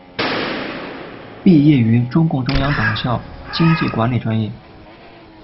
毕业于中共中央党校经济管理专业。